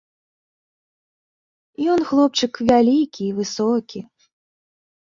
Ён хлопчык вялікі і высокі.